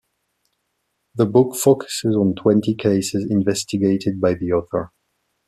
The book focuses on twenty cases investigated by the author.